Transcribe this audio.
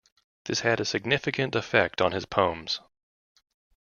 This had a significant effect on his poems.